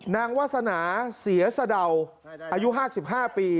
วาสนาเสียสะเดาอายุ๕๕ปี